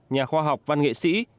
nhà khoa học văn nghệ sĩ